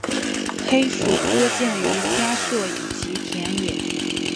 黑鼠多见于家舍以及田野。